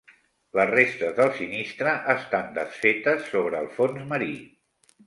Les restes del sinistre estan desfetes sobre el fons marí.